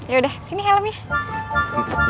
yaudah sini helmnya